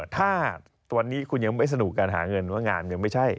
ถ้าตอนนี้คุณยังไม่สนุกการหาเงินว่างานยังไม่ใช่